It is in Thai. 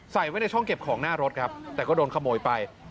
ใส่ไว้ในช่องเก็บของหน้ารถครับแต่ก็โดนขโมยไป